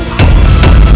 membunuhnya saat dia lemah